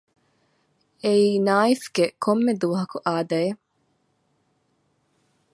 އެއީ ނާއިފްގެ ކޮންމެ ދުވަހަކު އާދައެއް